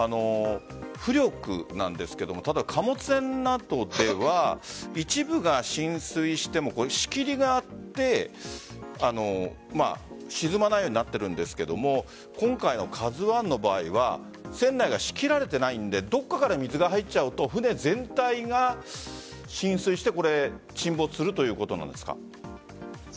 浮力なんですがただ、貨物船などでは一部が浸水しても仕切りがあって沈まないようになっているんですが今回の「ＫＡＺＵ１」の場合は船内が仕切られていないのでどこからか水が入ると船全体が浸水して沈没するということなんですか？